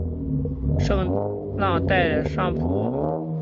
圣让代尚普。